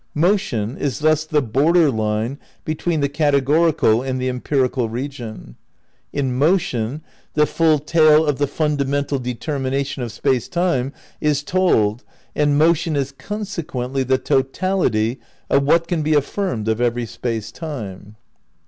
' "Motion is thus the border line between the categorial and the empirical region." '".. .in motion the full tale of the fundamental determination of Space Time is told and motion is consequently the totality of what can be affirmed of every Space Time."